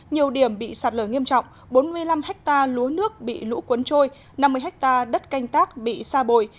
nhiều điểm bị sạt lở nghiêm trọng bốn mươi năm hectare lúa nước bị lũ cuốn trôi năm mươi hectare đất canh tác bị sa bồi